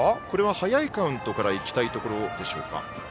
これは早いカウントからいきたいところでしょうか。